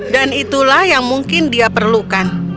dan itulah yang mungkin dia perlukan